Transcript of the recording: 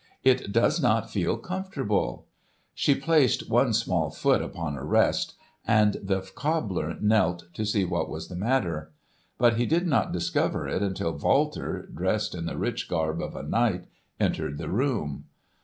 It does not feel comfortable." She placed one small foot upon a rest, and the cobbler knelt to see what was the matter. But he did not discover it until Walter, dressed in the rich garb of a knight, entered the room.